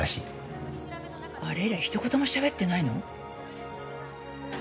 あれ以来ひと言もしゃべってないの？